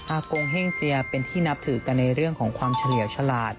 กงเฮ่งเจียเป็นที่นับถือกันในเรื่องของความเฉลี่ยวฉลาด